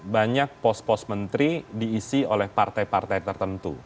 banyak pos pos menteri diisi oleh partai partai tertentu